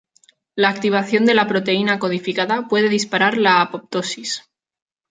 La activación de la proteína codificada puede disparar la apoptosis.